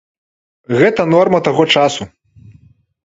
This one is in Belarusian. Гэта норма таго часу.